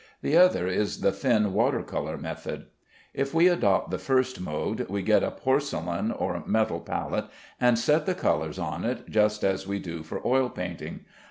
The other is the thin water color method. If we adopt the first mode, we get a porcelain or metal palette, and set the colors on it just as we do for oil painting.